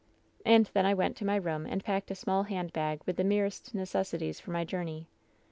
"And then I went to my room and packed a small handbag with the merest necessaries for my journey.